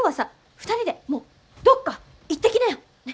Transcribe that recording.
２人でもうどっか行ってきなよ！ね。